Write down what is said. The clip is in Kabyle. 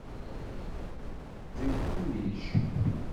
D lkulij.